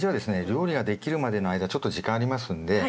料理ができるまでの間ちょっと時間ありますんで。